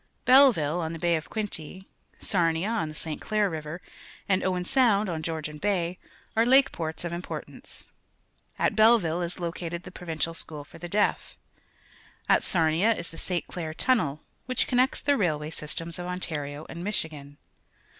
Belleville, on the Baxj of Quinte, Sarnia . on the St. Clnir River, and Oiven Soundj on Georgian Bay,_are lake ports of impor tance. At B elleville is located the Provin cial School for the Deaf. At Sarnia is t he Sjb. Clair tunnel, wliich connects the railway systems of Ontario and Michigan.